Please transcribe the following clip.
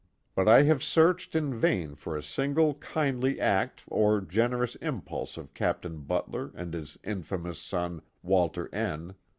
But I have searched in vain for a single kindly act or generous impulse of Captain Butler and his infamous son, Walter N.